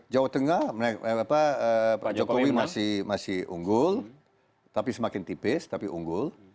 jawa tengah pak jokowi masih unggul tapi semakin tipis tapi unggul